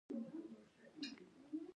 هغوی ځانونه د محصولاتو اصلي مالکان ګڼل